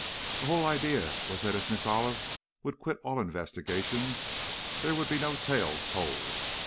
The whole idea was that if Miss Olive would quit all investigations, there would be no tales told.